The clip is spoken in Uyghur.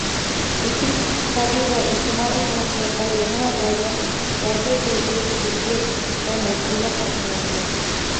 لېكىن، ئىقتىسادىي ۋە ئىجتىمائىي تەرەققىياتتا يەنىلا بەزى گەۋدىلىك زىددىيەت ۋە مەسىلىلەر ساقلىنىۋاتىدۇ.